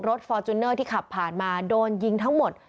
ฟอร์จูเนอร์ที่ขับผ่านมาโดนยิงทั้งหมด